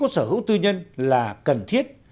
của sở hữu tư nhân là cần thiết